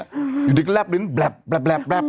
อยู่ดีกว่าแบบนึงแบบ